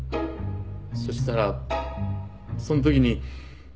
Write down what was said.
そしたらそんときに。